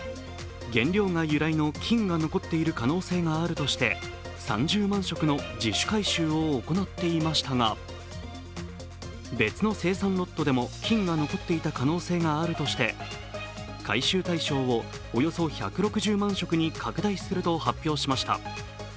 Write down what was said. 原料が由来の菌が残っている可能性があるとして、３０万食の自主回収を行っていましたが別の生産ロットでも菌が残っている可能性があるとして回収対象をおよそ１６０万食に拡大すると発表しました。